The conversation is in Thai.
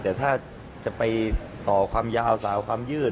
แต่ถ้าจะไปต่อความยาวสาวความยืด